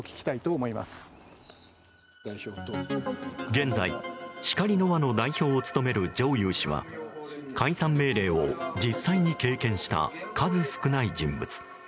現在、ひかりの輪の代表を務める上祐氏は解散命令を実際に経験した数少ない人物。